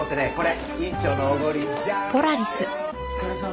お疲れさま。